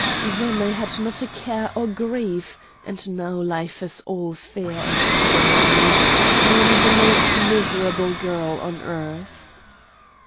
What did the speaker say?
Then I had not a care or grief, and now life is all fear and sorrow. I am the most miserable girl on earth."